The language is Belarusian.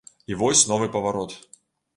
І вось новы паварот.